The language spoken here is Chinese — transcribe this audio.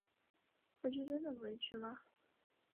我就真的不会去吗